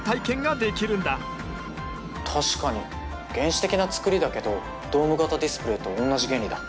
確かに原始的なつくりだけどドーム型ディスプレーと同じ原理だ。